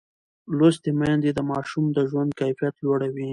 لوستې میندې د ماشوم د ژوند کیفیت لوړوي.